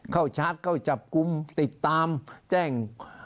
ชาร์จเข้าจับกลุ่มติดตามแจ้ง